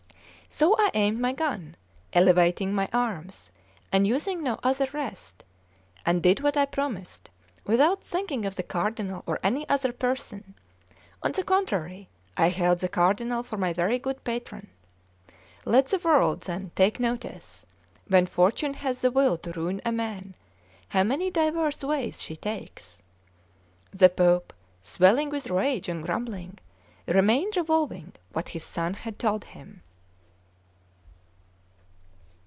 So I aimed my gun, elevating my arms, and using no other rest, and did what I had promised, without thinking of the Cardinal or any other person; on the contrary, I held the Cardinal for my very good patron. Let the world, then, take notice, when Fortune has the will to ruin a man, how many divers ways she takes! The Pope, swelling with rage and grumbling, remained revolving what his son had told him.